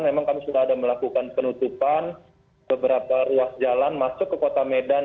memang kami sudah ada melakukan penutupan beberapa ruas jalan masuk ke kota medan